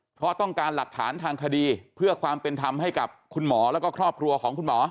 เพราะต้องการหลักฐานทางคดีเพื่อความเป็นธรรมให้กับคุณหมอแล้วก็ครอบครัวของคุณหมอ